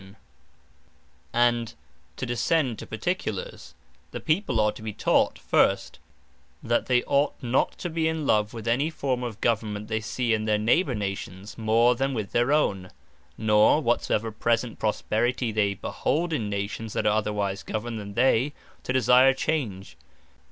Subjects Are To Be Taught, Not To Affect Change Of Government And (to descend to particulars) the People are to be taught, First, that they ought not to be in love with any forme of Government they see in their neighbour Nations, more than with their own, nor (whatsoever present prosperity they behold in Nations that are otherwise governed than they,) to desire change.